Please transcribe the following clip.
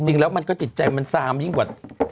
จริงแล้วมันก็จิตใจมันซามยิ่งกว่า